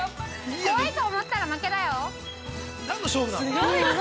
怖いと思ったら負けだよ。